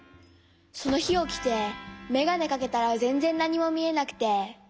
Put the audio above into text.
そのひおきてメガネかけたらぜんぜんなにもみえなくて。